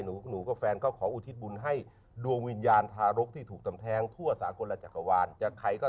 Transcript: หนูกับแฟนก็ขออุทิศบุญให้